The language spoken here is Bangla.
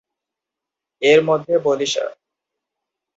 এর মধ্যে বরিশাল পলিটেকনিক ইনস্টিটিউট অন্যতম।